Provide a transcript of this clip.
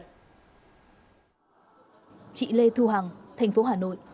chị lê thu hằng thành phố hà nội